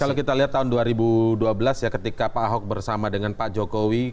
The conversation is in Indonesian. kalau kita lihat tahun dua ribu dua belas ya ketika pak ahok bersama dengan pak jokowi